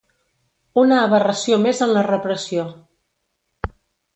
Una aberració més en la repressió.